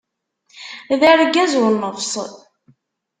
D argaz u nnefṣ!